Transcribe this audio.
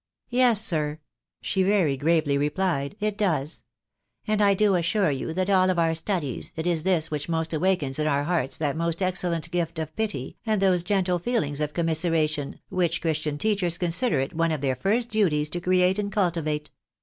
" Yes, sir," she very gravely repUed, " it does ; and I do assure you that of all our studies, it is this which most awakens in our hearts that most excellent gift of pity, and those gentle feeUngs of commiseration, which Christian teachers consider it one of their first duties to create and cultivate.